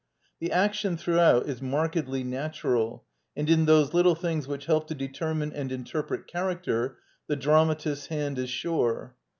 Th^jaction throughout is. markedly ^natural ^^^ in thoselittle things which help to determine and interpret char acter the dramatist's hand is sure.